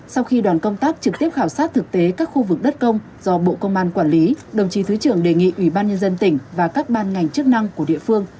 sau khi đoàn công tác trực tiếp khảo sát thực tế các khu vực đất công do bộ công an quản lý đồng chí thứ trưởng đề nghị ubnd tỉnh và các ban ngành chức năng của địa phương